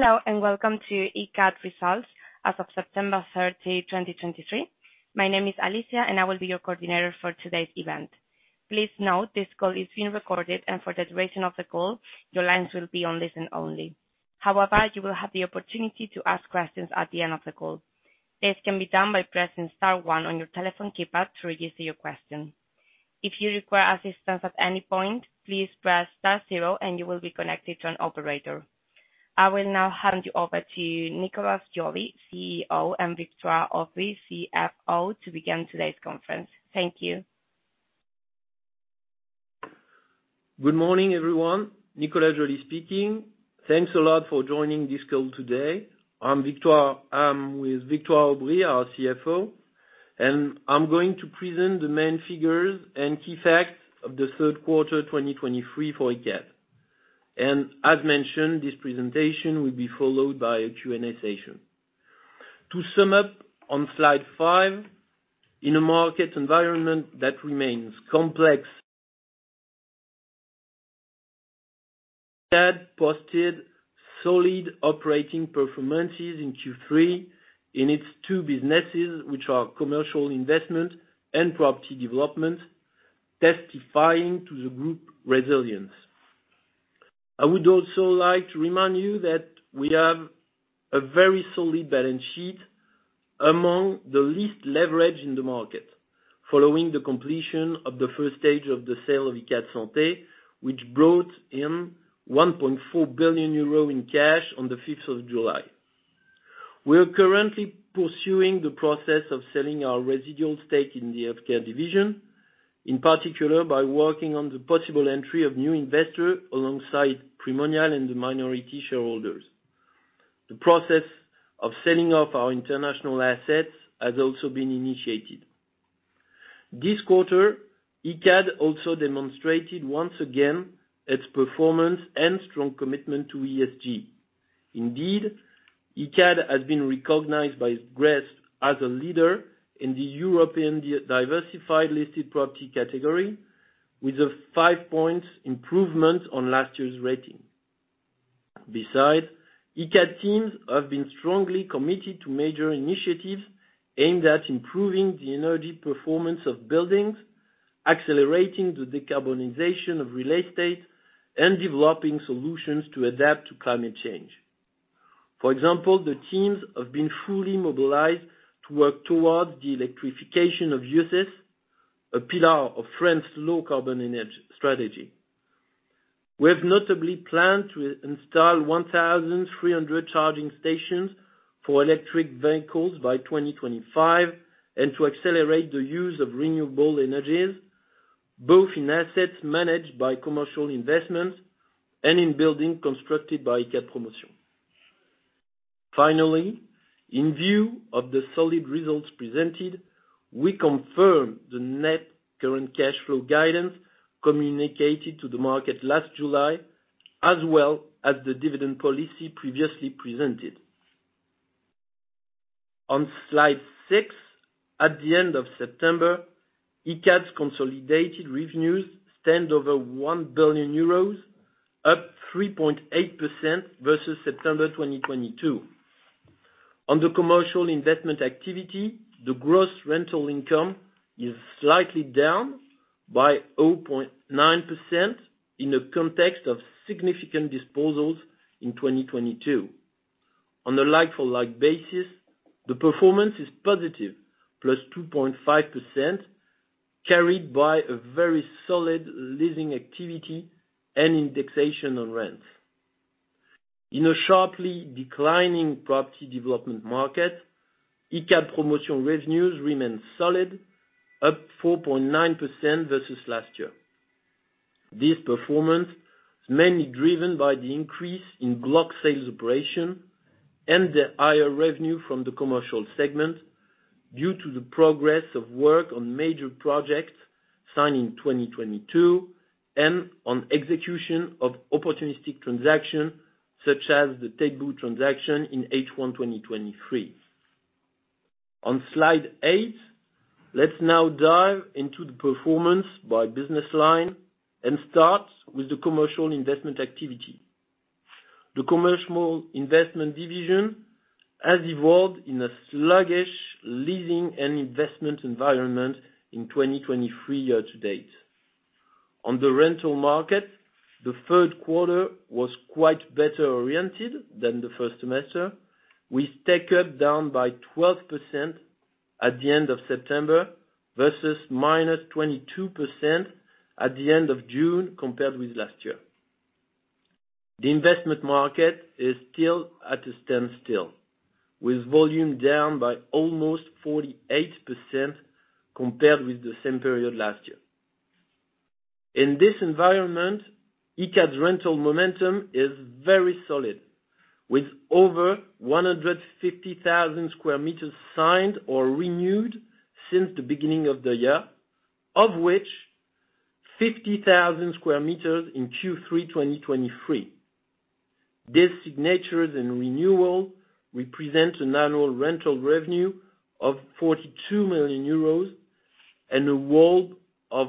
Hello, and welcome to Icade results as of September 30, 2023. My name is Alicia, and I will be your coordinator for today's event. Please note, this call is being recorded, and for the duration of the call, your lines will be on listen only. However, you will have the opportunity to ask questions at the end of the call. This can be done by pressing star one on your telephone keypad to register your question. If you require assistance at any point, please press star zero and you will be connected to an operator. I will now hand you over to Nicolas Joly, CEO, and Victoire Aubry, CFO, to begin today's conference. Thank you. Good morning, everyone. Nicolas Joly speaking. Thanks a lot for joining this call today. I'm with Victoire Aubry, our CFO, and I'm going to present the main figures and key facts of the third quarter, 2023 for Icade. As mentioned, this presentation will be followed by a Q&A session. To sum up on slide five, in a market environment that remains complex, Icade posted solid operating performances in Q3 in its two businesses, which are Commercial Investment and Property Development, testifying to the group resilience. I would also like to remind you that we have a very solid balance sheet among the least leverage in the market, following the completion of the first stage of the sale of Icade Santé, which brought in 1.4 billion euros in cash on the fifth of July. We are currently pursuing the process of selling our residual stake in the Healthcare division, in particular by working on the possible entry of new investor alongside Primonial and the minority shareholders. The process of selling off our international assets has also been initiated. This quarter, Icade also demonstrated, once again, its performance and strong commitment to ESG. Indeed, Icade has been recognized by GRESB as a leader in the European diversified listed property category, with a five points improvement on last year's rating. Besides, Icade teams have been strongly committed to major initiatives aimed at improving the energy performance of buildings, accelerating the decarbonization of real estate, and developing solutions to adapt to climate change. For example, the teams have been fully mobilized to work towards the electrification of uses, a pillar of France's low-carbon energy strategy. We have notably planned to install 1,300 charging stations for electric vehicles by 2025, and to accelerate the use of renewable energies, both in assets managed by commercial investments and in building constructed by Icade Promotion. Finally, in view of the solid results presented, we confirm the net current cash flow guidance communicated to the market last July, as well as the dividend policy previously presented. On slide six, at the end of September, Icade's consolidated revenues stand over 1 billion euros, up 3.8% versus September 2022. On the commercial investment activity, the gross rental income is slightly down by 0.9% in the context of significant disposals in 2022. On a like-for-like basis, the performance is positive, plus 2.5%, carried by a very solid leasing activity and indexation on rents. In a sharply declining property development market, Icade Promotion revenues remain solid, up 4.9% versus last year. This performance is mainly driven by the increase in block sales operation and the higher revenue from the commercial segment, due to the progress of work on major projects signed in 2022, and on execution of opportunistic transaction, such as the Taitbout transaction in H1 2023. On slide eight, let's now dive into the performance by business line and start with the commercial investment activity. The Commercial Investment division has evolved in a sluggish leasing and investment environment in 2023 year-to-date. On the rental market, the third quarter was quite better oriented than the first semester, with take-up down by 12% at the end of September, versus −22% at the end of June, compared with last year. The investment market is still at a standstill, with volume down by almost 48% compared with the same period last year. In this environment, Icade's rental momentum is very solid, with over 150,000 sq m signed or renewed since the beginning of the year, of which 50,000 sq m in Q3 2023. These signatures and renewal represent an annual rental revenue of 42 million euros, and a WALE of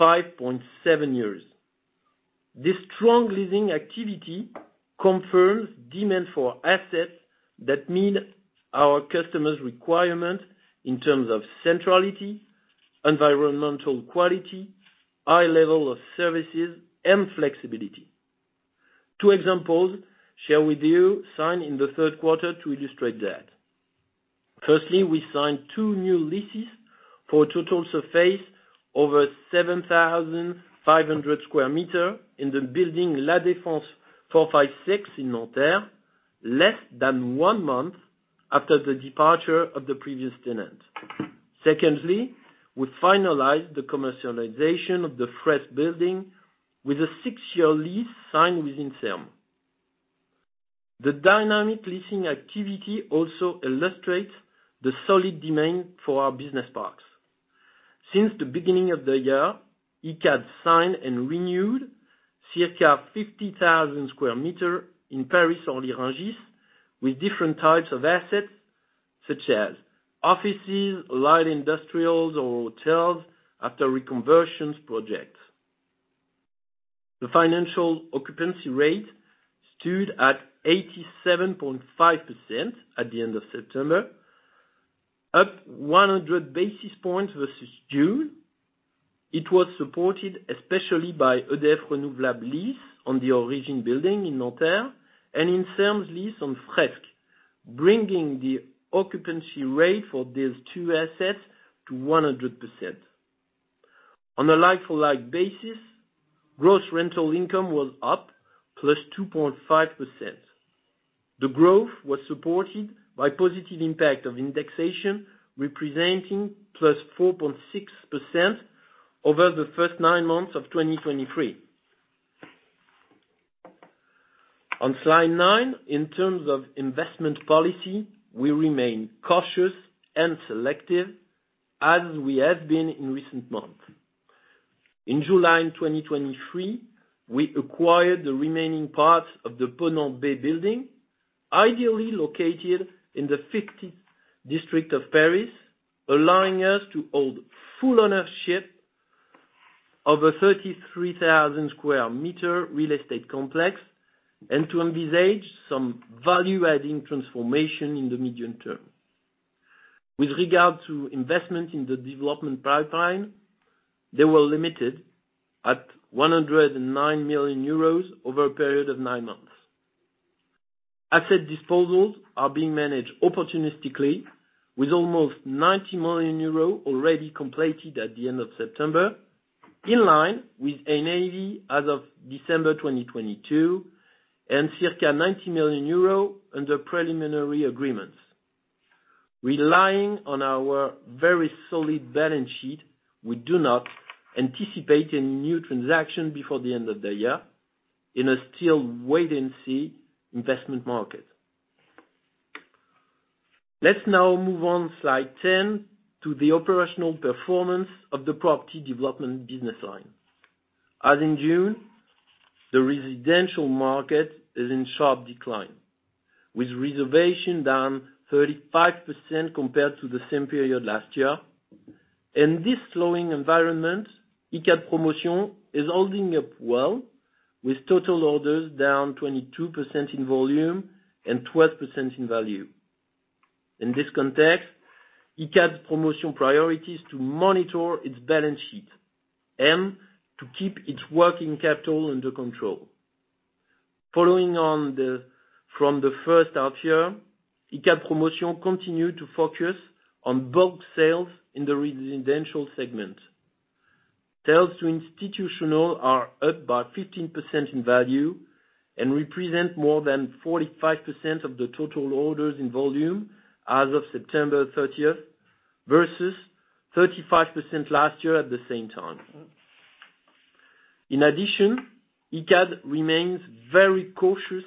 5.7 years. This strong leasing activity confirms demand for assets that meet our customers' requirements in terms of centrality, environmental quality, high level of services, and flexibility. Two examples share with you signed in the third quarter to illustrate that. Firstly, we signed two new leases for a total surface over 7,500 sq m in the building, La Défense 4-5-6 in Nanterre, less than one month after the departure of the previous tenant. Secondly, we finalized the commercialization of the Fresk building with a 6-year lease signed with Inserm. The dynamic leasing activity also illustrates the solid demand for our business parks. Since the beginning of the year, Icade signed and renewed circa 50,000 sq m in Paris or Rungis, with different types of assets such as offices, light industrials, or hotels after reconversion projects. The financial occupancy rate stood at 87.5% at the end of September, up 100 basis points versus June. It was supported especially by EDF Renouvelables lease on the Origine building in Nanterre, and Inserm's lease on Fresk, bringing the occupancy rate for these two assets to 100%. On a like-for-like basis, gross rental income was up +2.5%. The growth was supported by positive impact of indexation, representing +4.6% over the first nine months of 2023. On slide nine, in terms of investment policy, we remain cautious and selective, as we have been in recent months. In July 2023, we acquired the remaining parts of the Ponant B building, ideally located in the 15th district of Paris, allowing us to hold full ownership of a 33,000 square meters real estate complex, and to envisage some value-adding transformation in the medium term. With regard to investment in the development pipeline, they were limited at 109 million euros over a period of nine months. Asset disposals are being managed opportunistically, with almost 90 million euros already completed at the end of September, in line with NAV as of December 2022, and circa 90 million euro under preliminary agreements. Relying on our very solid balance sheet, we do not anticipate any new transaction before the end of the year in a still wait-and-see investment market. Let's now move on slide 10, to the operational performance of the property development business line. As in June, the residential market is in sharp decline, with reservation down 35% compared to the same period last year. In this slowing environment, Icade Promotion is holding up well, with total orders down 22% in volume and 12% in value. In this context, Icade Promotion priority is to monitor its balance sheet and to keep its working capital under control. Following from the first half year, Icade Promotion continued to focus on bulk sales in the residential segment. Sales to institutional are up by 15% in value and represent more than 45% of the total orders in volume as of September 30th, versus 35% last year at the same time. In addition, Icade remains very cautious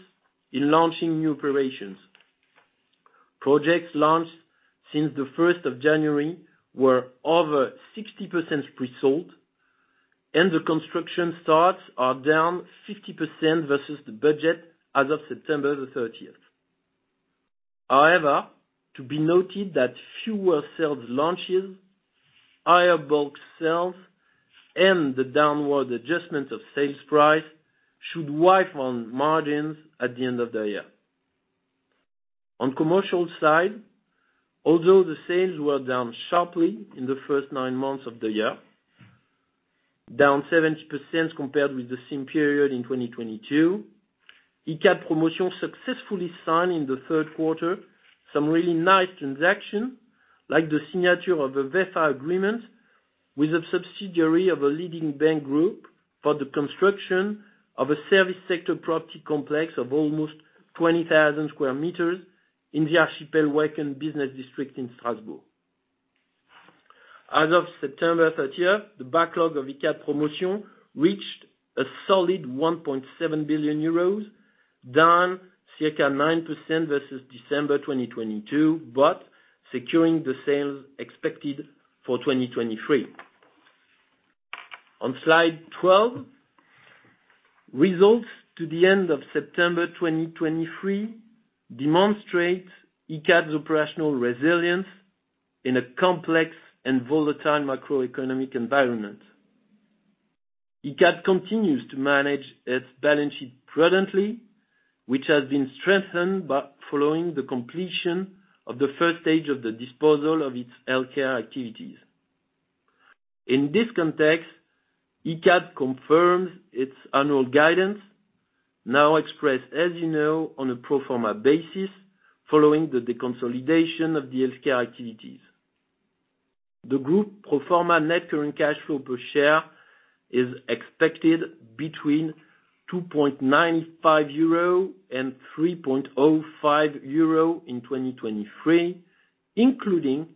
in launching new operations. Projects launched since January 1 were over 60% pre-sold, and the construction starts are down 50% versus the budget as of September 30th. However, to be noted that fewer sales launches, higher bulk sales, and the downward adjustment of sales price should weigh on margins at the end of the year. On the commercial side, although the sales were down sharply in the first nine months of the year, down 70% compared with the same period in 2022, Icade Promotion successfully signed in the third quarter some really nice transaction, like the signature of a VEFA agreement with a subsidiary of a leading bank group for the construction of a service sector property complex of almost 20,000 square meters in the Archipel Wacken business district in Strasbourg. As of September 30th, the backlog of Icade Promotion reached a solid 1.7 billion euros, down circa 9% versus December 2022, but securing the sales expected for 2023. On slide 12, results to the end of September 2023 demonstrate Icade's operational resilience in a complex and volatile macroeconomic environment. Icade continues to manage its balance sheet prudently, which has been strengthened by following the completion of the first stage of the disposal of its healthcare activities. In this context, Icade confirms its annual guidance, now expressed, as you know, on a pro forma basis, following the deconsolidation of the healthcare activities. The group pro forma net current cash flow per share is expected between 2.95 euro and 3.05 euro in 2023, including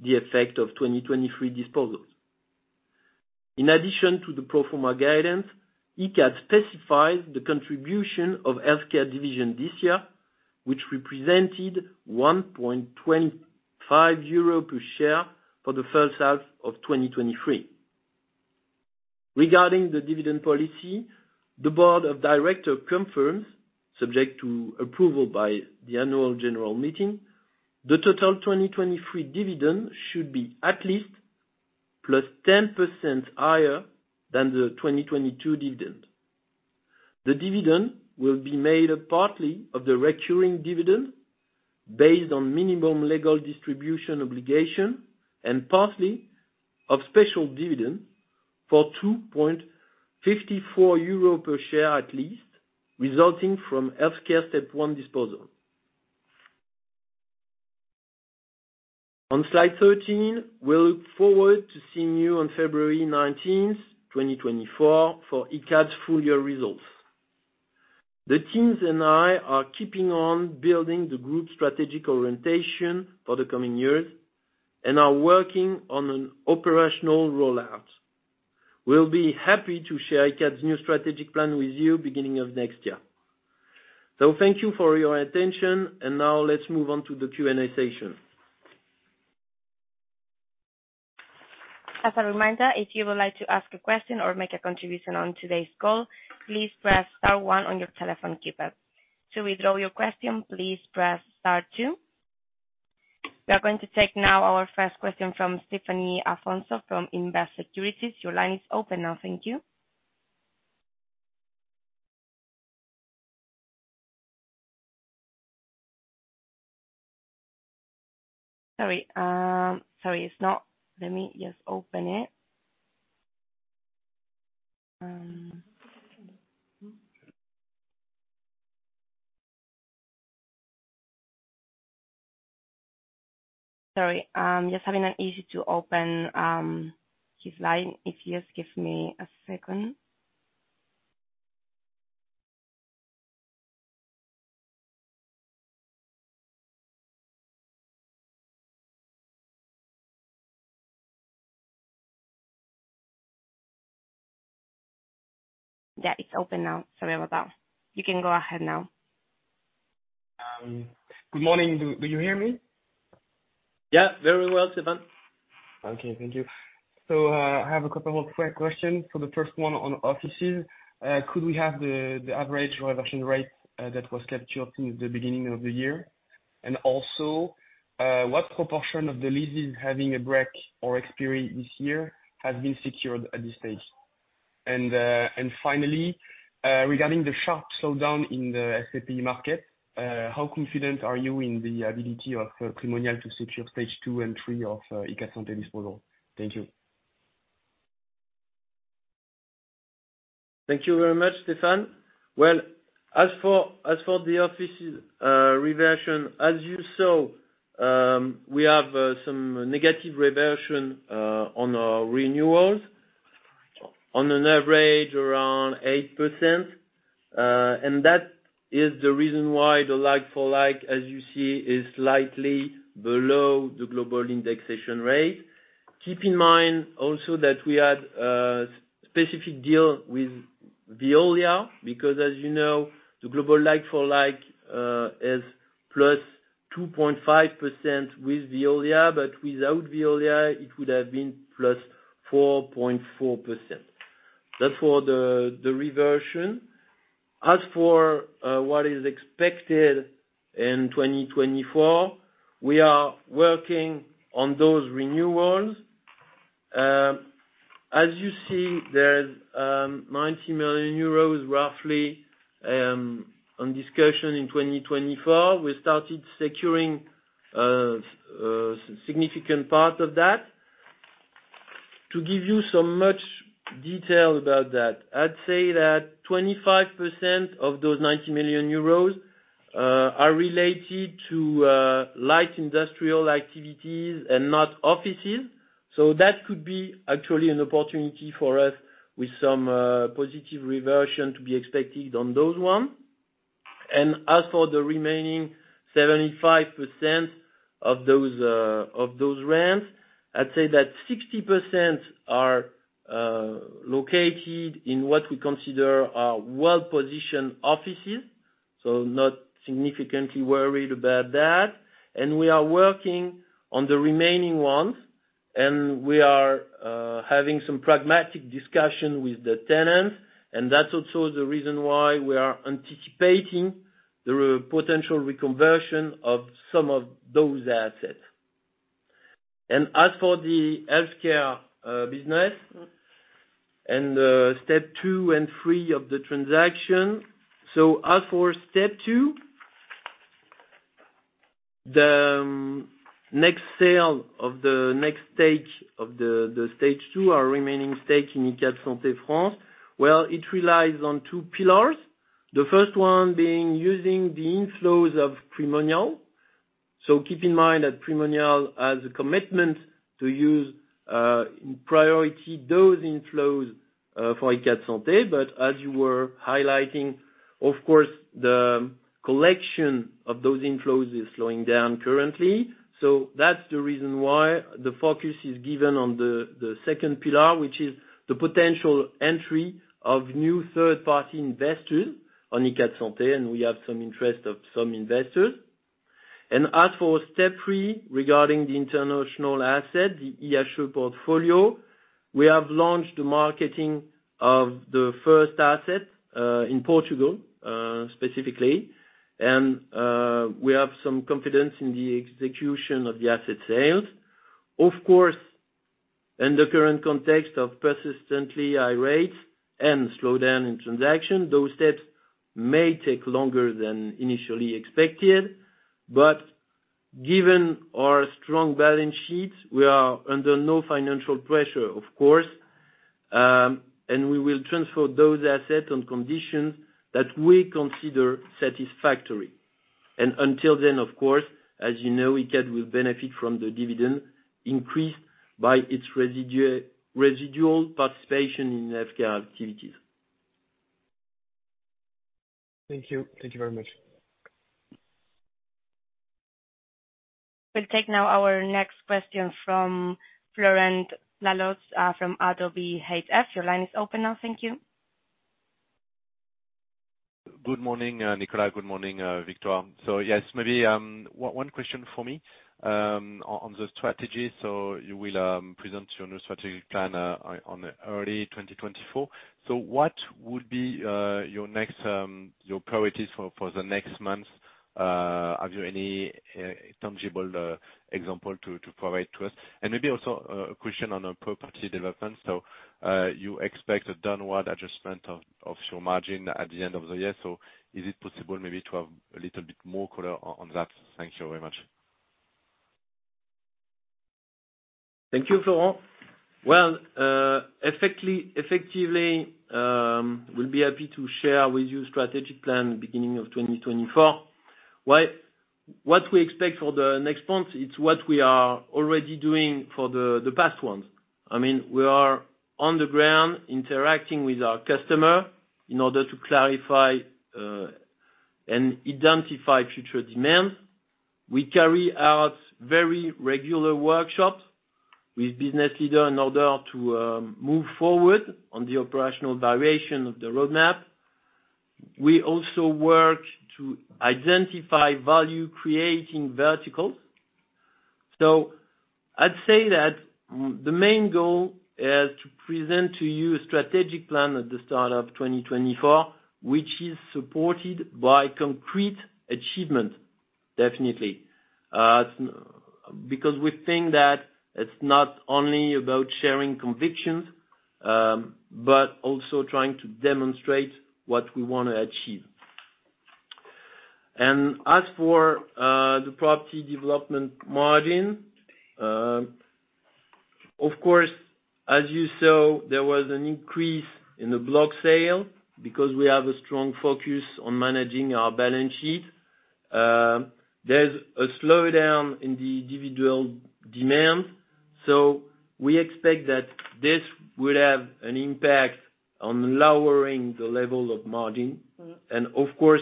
the effect of 2023 disposals. In addition to the pro forma guidance, Icade specifies the contribution of healthcare division this year, which represented 1.25 euro per share for the first half of 2023. Regarding the dividend policy, the board of directors confirms, subject to approval by the annual general meeting, the total 2023 dividend should be at least +10% higher than the 2022 dividend. The dividend will be made partly of the recurring dividend, based on minimum legal distribution obligation, and partly of special dividend for 2.54 euro per share at least, resulting from healthcare step one disposal. On slide 13, we look forward to seeing you on February 19, 2024, for Icade's full year results. The teams and I are keeping on building the group's strategic orientation for the coming years, and are working on an operational rollout. We'll be happy to share Icade's new strategic plan with you, beginning of next year. So thank you for your attention, and now let's move on to the Q&A session. As a reminder, if you would like to ask a question or make a contribution on today's call, please press star one on your telephone keypad. To withdraw your question, please press star two. We are going to take now our first question from Stéphane Afonso, from Invest Securities. Your line is open now. Thank you. Sorry. Let me just open it. Sorry, I'm just having an issue to open his line, if you just give me a second. Yeah, it's open now. Sorry about that. You can go ahead now. Good morning. Do you hear me? Yeah, very well, Stéphane. Okay. Thank you. So, I have a couple of quick questions. For the first one on offices, could we have the average reversion rate that was captured since the beginning of the year? And also, what proportion of the leases having a break or expiry this year has been secured at this stage? And finally, regarding the sharp slowdown in the SAP market, how confident are you in the ability of Primonial to secure stage two and three of Icade's disposal? Thank you. Thank you very much, Stéphane. Well, as for, as for the offices, reversion, as you saw, we have some negative reversion on our renewals, on an average around 8%. And that is the reason why the like-for-like, as you see, is slightly below the global indexation rate. Keep in mind also that we had a specific deal with Veolia, because as you know, the global like-for-like is +2.5% with Veolia, but without Veolia, it would have been +4.4%. That's for the, the reversion. As for what is expected in 2024, we are working on those renewals. As you see, there's 90 million euros, roughly, on discussion in 2024. We started securing significant part of that. To give you some more detail about that, I'd say that 25% of those 90 million euros are related to light industrial activities and not offices. So that could be actually an opportunity for us with some positive reversion to be expected on those ones. And as for the remaining 75% of those rents, I'd say that 60% are located in what we consider are well-positioned offices... So not significantly worried about that. And we are working on the remaining ones, and we are having some pragmatic discussion with the tenants, and that's also the reason why we are anticipating the potential reconversion of some of those assets. And as for the Healthcare business, and step two and three of the transaction. So as for step two, the next stage of the stage two, our remaining stake in Icade Santé France, well, it relies on two pillars. The first one being using the inflows of Primonial. So keep in mind that Primonial has a commitment to use in priority those inflows for Icade Santé. But as you were highlighting, of course, the collection of those inflows is slowing down currently. So that's the reason why the focus is given on the second pillar, which is the potential entry of new third-party investors on Icade Santé, and we have some interest of some investors. And as for step three, regarding the international asset, the IHE portfolio, we have launched the marketing of the first asset in Portugal specifically. And we have some confidence in the execution of the asset sales. Of course, in the current context of persistently high rates and slowdown in transaction, those steps may take longer than initially expected. But given our strong balance sheet, we are under no financial pressure, of course, and we will transfer those assets on conditions that we consider satisfactory. And until then, of course, as you know, Icade will benefit from the dividend increased by its residual participation in healthcare activities. Thank you. Thank you very much. We'll take now our next question from Florent Laroche, from Oddo BHF. Your line is open now. Thank you. Good morning, Nicolas. Good morning, Victoire. So yes, maybe one question for me on the strategy. So you will present your new strategic plan on early 2024. So what would be your next your priorities for the next months? Have you any tangible example to provide to us? And maybe also a question on the property development. So you expect a downward adjustment of your margin at the end of the year, so is it possible maybe to have a little bit more color on that? Thank you very much. Thank you, Florent. Well, effectively, effectively, we'll be happy to share with you strategic plan beginning of 2024. What we expect for the next months, it's what we are already doing for the past ones. I mean, we are on the ground interacting with our customer in order to clarify and identify future demands. We carry out very regular workshops with business leader in order to move forward on the operational variation of the roadmap. We also work to identify value creating verticals. So I'd say that the main goal is to present to you a strategic plan at the start of 2024, which is supported by concrete achievement, definitely. Because we think that it's not only about sharing convictions, but also trying to demonstrate what we wanna achieve. As for the property development margin, of course, as you saw, there was an increase in the block sale because we have a strong focus on managing our balance sheet. There's a slowdown in the individual demand, so we expect that this will have an impact on lowering the level of margin. Of course,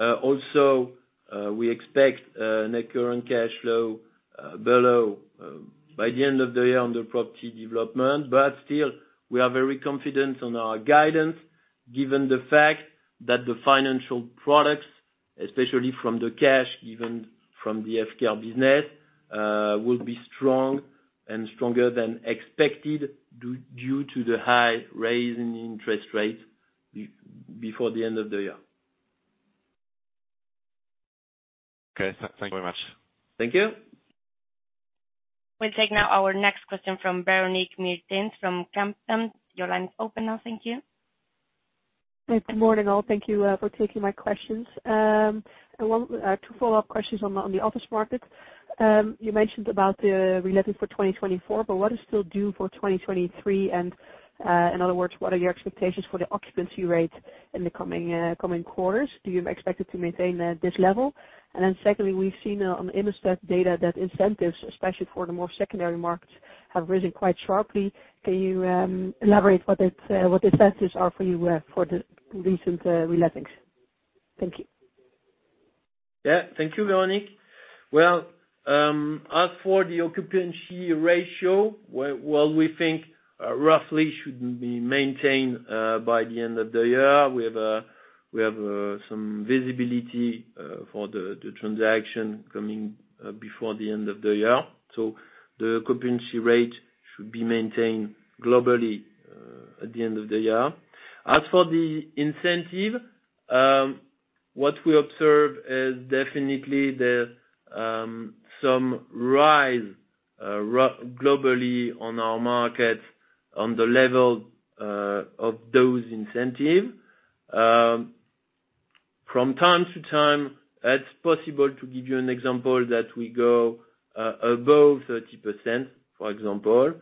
also, we expect net current cash flow below by the end of the year on the property development. But still, we are very confident on our guidance, given the fact that the financial products, especially from the cash, even from the Healthcare business, will be strong and stronger than expected due to the high raise in interest rates before the end of the year. Okay. Thank you very much. Thank you. We'll take now our next question from Veronique Meertens, from Kempen. Your line is open now. Thank you. Hey, good morning, all. Thank you for taking my questions. I want to follow up questions on the office market. You mentioned about the reletting for 2024, but what is still due for 2023? And in other words, what are your expectations for the occupancy rate in the coming quarters? Do you expect it to maintain this level? And then secondly, we've seen on the ImmoStat data that incentives, especially for the more secondary markets, have risen quite sharply. Can you elaborate what the incentives are for you for the recent relettings? Thank you.... Yeah, thank you, Veronique. Well, as for the occupancy ratio, we think roughly should be maintained by the end of the year. We have some visibility for the transaction coming before the end of the year. So the occupancy rate should be maintained globally at the end of the year. As for the incentive, what we observe is definitely there's some rise globally on our market, on the level of those incentive. From time to time, it's possible, to give you an example, that we go above 30%, for example.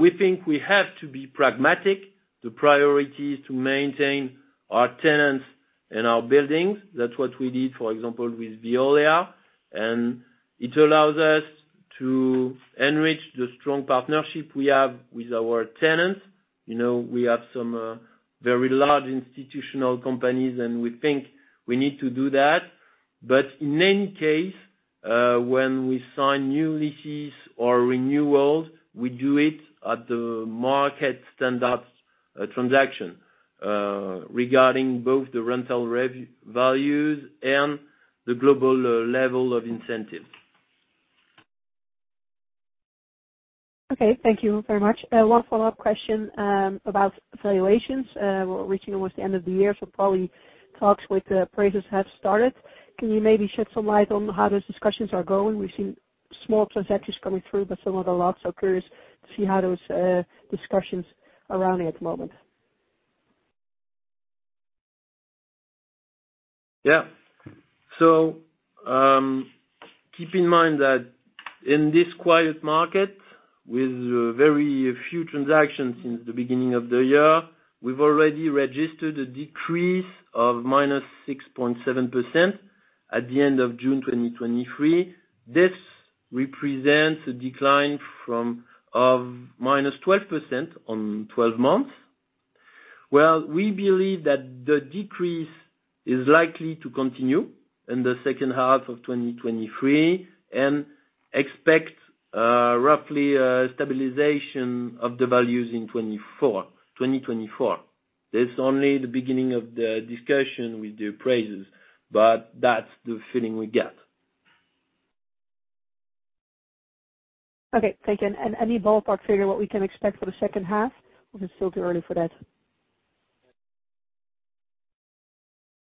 We think we have to be pragmatic. The priority is to maintain our tenants and our buildings. That's what we did, for example, with Veolia, and it allows us to enrich the strong partnership we have with our tenants. You know, we have some very large institutional companies, and we think we need to do that. But in any case, when we sign new leases or renewals, we do it at the market standard transaction, regarding both the rental values and the global level of incentives. Okay, thank you very much. One follow-up question, about valuations. We're reaching towards the end of the year, so probably talks with the appraisers have started. Can you maybe shed some light on how those discussions are going? We've seen small transactions coming through, but some of the lots are curious to see how those discussions are running at the moment. Yeah. So, keep in mind that in this quiet market, with very few transactions since the beginning of the year, we've already registered a decrease of -6.7% at the end of June 2023. This represents a decline from, of -12% on 12 months. Well, we believe that the decrease is likely to continue in the second half of 2023, and expect roughly a stabilization of the values in 2024, 2024. This is only the beginning of the discussion with the appraisers, but that's the feeling we get. Okay, thank you. And any ballpark figure what we can expect for the second half, or is it still too early for that?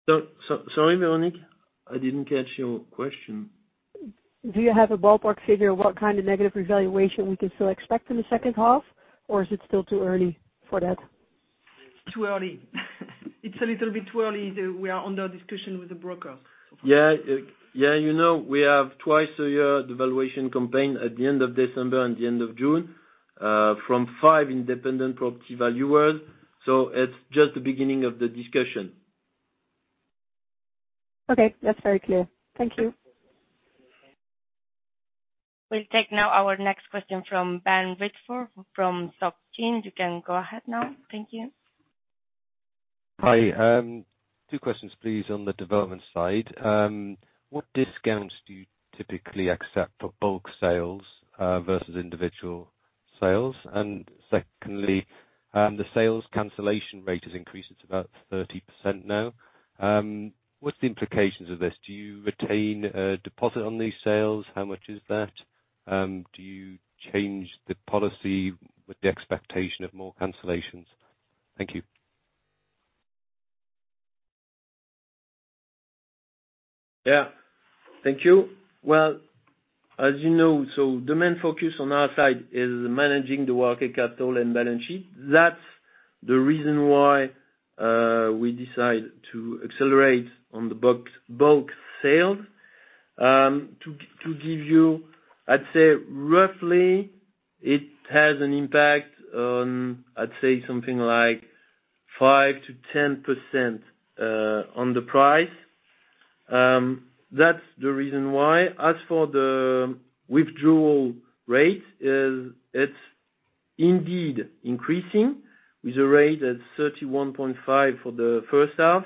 So, so sorry, Veronique, I didn't catch your question. Do you have a ballpark figure, what kind of negative revaluation we can still expect in the second half, or is it still too early for that? Too early. It's a little bit too early. We are under discussion with the broker. Yeah, yeah, you know, we have twice a year the valuation campaign at the end of December and the end of June, from five independent property valuers, so it's just the beginning of the discussion. Okay. That's very clear. Thank you. We'll take now our next question from Ben Richford, from Société Générale. You can go ahead now. Thank you. Hi. Two questions, please, on the development side. What discounts do you typically accept for bulk sales versus individual sales? And secondly, the sales cancellation rate has increased. It's about 30% now. What's the implications of this? Do you retain a deposit on these sales? How much is that? Do you change the policy with the expectation of more cancellations? Thank you. Yeah, thank you. Well, as you know, so the main focus on our side is managing the working capital and balance sheet. That's the reason why we decide to accelerate on the bulk sales. To give you... I'd say roughly it has an impact on, I'd say, something like 5%-10% on the price. That's the reason why. As for the withdrawal rate, is it's indeed increasing with a rate at 31.5% for the first half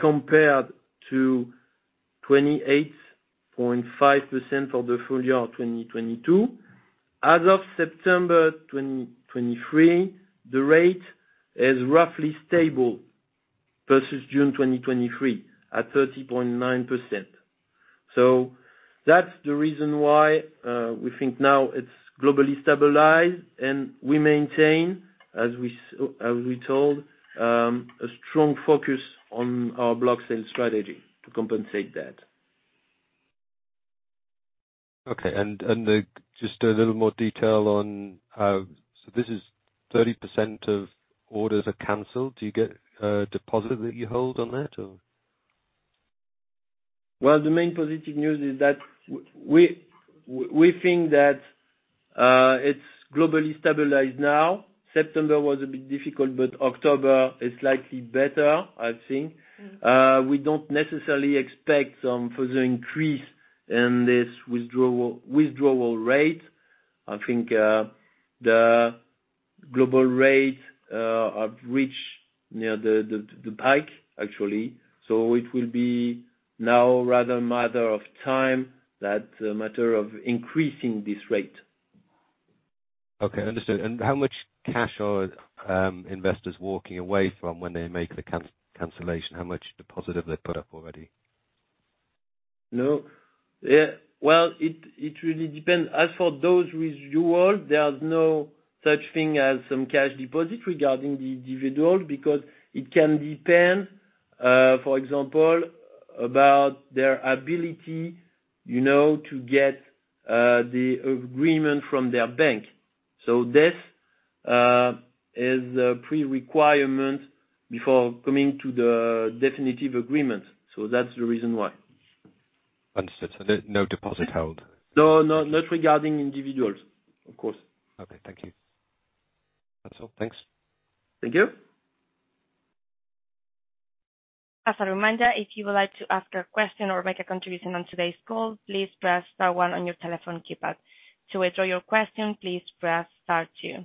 compared to 28.5% for the full year of 2022. As of September 2023, the rate is roughly stable versus June 2023, at 30.9%. So that's the reason why we think now it's globally stabilized, and we maintain, as we told, a strong focus on our Block Sales strategy to compensate that. Okay, and just a little more detail on, so this is 30% of orders are canceled. Do you get a deposit that you hold on that, or? Well, the main positive news is that we think that it's globally stabilized now. September was a bit difficult, but October is slightly better, I think. We don't necessarily expect some further increase in this withdrawal rate. I think, global rates have reached near the peak, actually. So it will be now rather a matter of time than a matter of increasing this rate. Okay, understood. And how much cash are investors walking away from when they make the cancellation? How much deposit have they put up already? No. Yeah, well, it, it really depends. As for those withdrawals, there's no such thing as some cash deposit regarding the individual, because it can depend, for example, about their ability, you know, to get the agreement from their bank. So this is a pre-requirement before coming to the definitive agreement. So that's the reason why. Understood. So there's no deposit held? No, no, not regarding individuals, of course. Okay. Thank you. That's all, thanks. Thank you. As a reminder, if you would like to ask a question or make a contribution on today's call, please press star one on your telephone keypad. To withdraw your question, please press star two.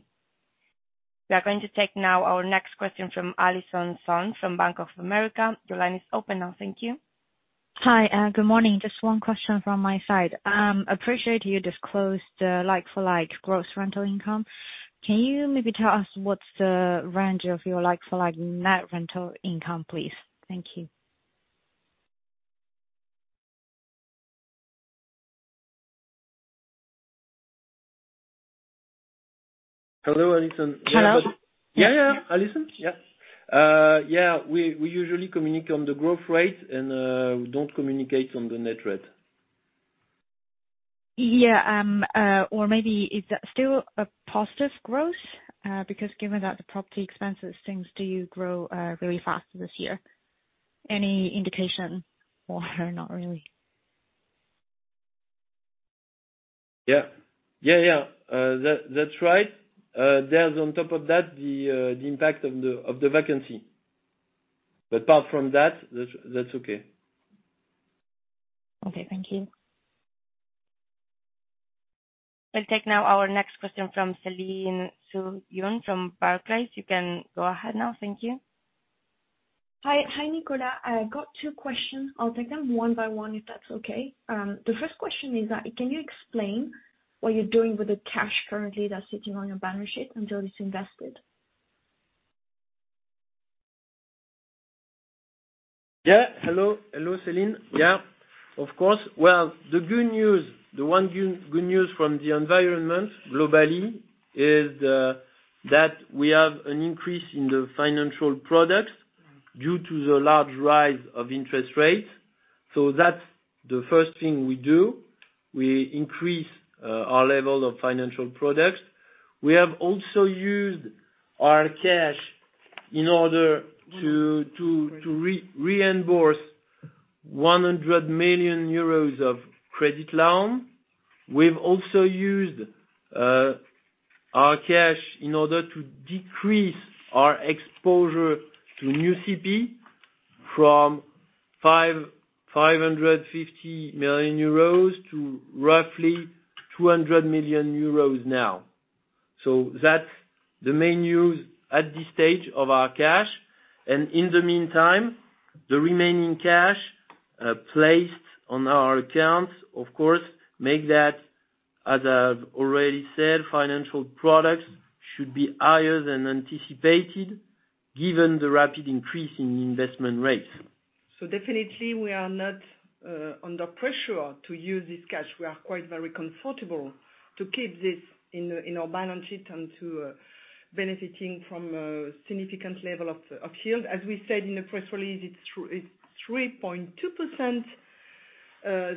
We are going to take now our next question from Allison Sun from Bank of America. The line is open now. Thank you. Hi, good morning. Just one question from my side. Appreciate you disclosed the like-for-like gross rental income. Can you maybe tell us what's the range of your like-for-like net rental income, please? Thank you. Hello, Allison. Hello. Yeah, yeah, Allison. Yeah. Yeah, we usually communicate on the growth rate and we don't communicate on the net rate. Yeah, or maybe is that still a positive growth? Because given that the property expenses seems to grow really fast this year, any indication or not really? Yeah. Yeah, yeah. That's right. There's on top of that, the impact of the vacancy. But apart from that, that's okay. Okay. Thank you. We'll take now our next question from Céline Soo-Huynh from Barclays. You can go ahead now. Thank you. Hi. Hi, Nicolas. I got two questions. I'll take them one by one, if that's okay. The first question is that, can you explain what you're doing with the cash currently that's sitting on your balance sheet until it's invested? Yeah. Hello. Hello, Céline. Yeah, of course. Well, the good news, the one good, good news from the environment globally is that we have an increase in the financial products due to the large rise of interest rates. So that's the first thing we do, we increase our level of financial products. We have also used our cash in order to reimburse 100 million euros of credit loan. We've also used our cash in order to decrease our exposure to new CP from 550 million euros to roughly 200 million euros now. So that's the main news at this stage of our cash. And in the meantime, the remaining cash placed on our accounts, of course, make that, as I've already said, financial products should be higher than anticipated, given the rapid increase in investment rates. So definitely we are not under pressure to use this cash. We are quite very comfortable to keep this in our balance sheet and to benefiting from a significant level of yield. As we said in the press release, it's 3.2%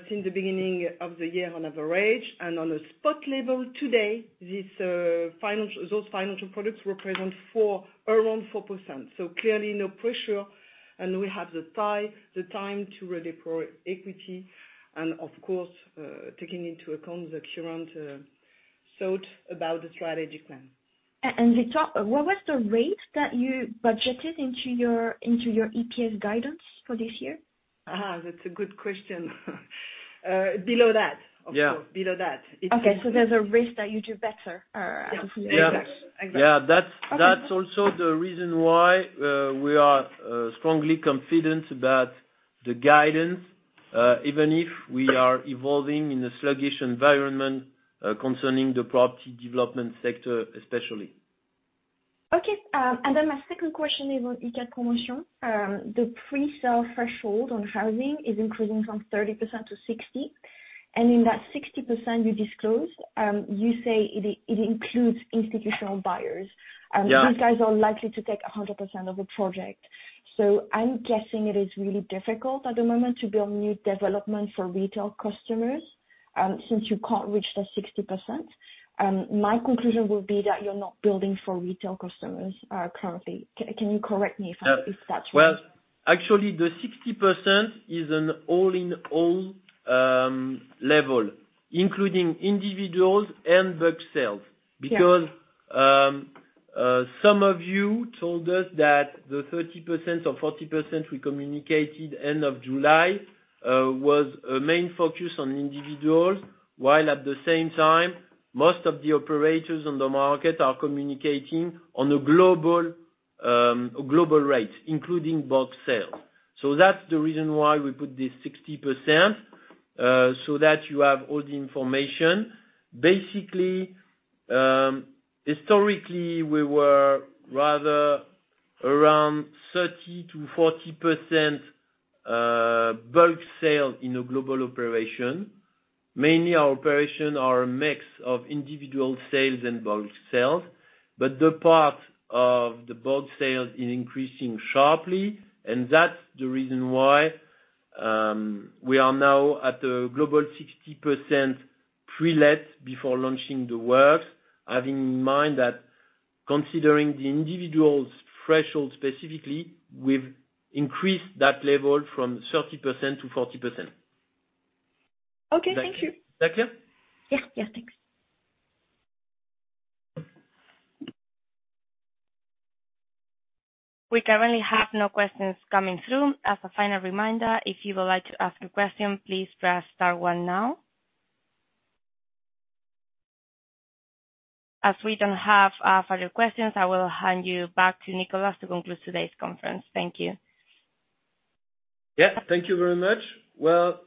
since the beginning of the year on average, and on a spot level today, those financial products represent around 4%. So clearly, no pressure, and we have the time to redeploy equity, and of course taking into account the current thought about the strategy plan. And at the top, what was the rate that you budgeted into your, into your EPS guidance for this year? Ah, that's a good question. Below that- Yeah. Of course, below that. Okay. So there's a risk that you do better than that? Yeah. Exactly. Yeah. That's- Okay. That's also the reason why, we are strongly confident about the guidance, even if we are evolving in a sluggish environment, concerning the property development sector, especially. Okay. And then my second question is on Icade Promotion. The pre-sale threshold on housing is increasing from 30% to 60%, and in that 60% you disclosed, you say it, it includes institutional buyers. Yeah. These guys are likely to take 100% of the project. So I'm guessing it is really difficult at the moment to build new development for retail customers, since you can't reach the 60%. My conclusion would be that you're not building for retail customers currently. Can you correct me if that's right? Well, actually, the 60% is an all-in-all level, including individuals and bulk sales. Yeah. Because some of you told us that the 30% or 40% we communicated end of July was a main focus on individuals, while at the same time, most of the operators on the market are communicating on a global, a global rate, including bulk sales. So that's the reason why we put this 60%, so that you have all the information. Basically, historically, we were rather around 30%-40%, bulk sales in a global operation. Mainly, our operation are a mix of individual sales and bulk sales, but the part of the bulk sales is increasing sharply, and that's the reason why, we are now at a global 60% pre-let before launching the works. Having in mind that considering the individual's threshold specifically, we've increased that level from 30% to 40%. Okay, thank you. Is that clear? Yeah. Yeah, thanks. We currently have no questions coming through. As a final reminder, if you would like to ask a question, please press star one now. As we don't have further questions, I will hand you back to Nicolas to conclude today's conference. Thank you. Yeah, thank you very much. Well,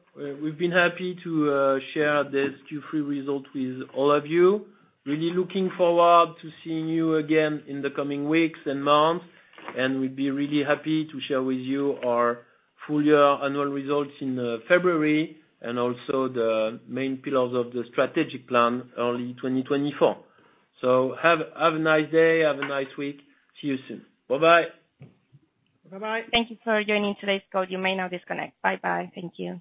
we've been happy to share this Q3 result with all of you. Really looking forward to seeing you again in the coming weeks and months, and we'd be really happy to share with you our full year annual results in February, and also the main pillars of the strategic plan early 2024. So have a nice day. Have a nice week. See you soon. Bye-bye. Bye-bye. Thank you for joining today's call. You may now disconnect. Bye-bye. Thank you.